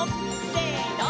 せの！